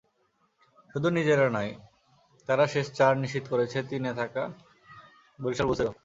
শুধু নিজেরা নয়, তারা শেষ চার নিশ্চিত করেছে তিনে থাকা বরিশাল বুলসেরও।